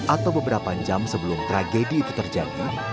atau beberapa jam sebelum tragedi itu terjadi